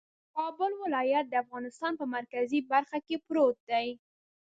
کابل ولایت د افغانستان په مرکزي برخه کې پروت دی